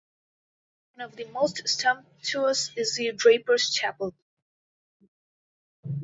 One of the most sumptuous is the Drapers' chapel.